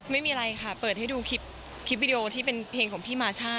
ไม่มีอะไรค่ะเปิดให้ดูคลิปวิดีโอที่เป็นเพลงของพี่มาช่า